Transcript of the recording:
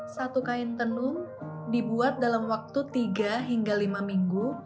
satu kain tenun dibuat dalam waktu tiga hingga lima minggu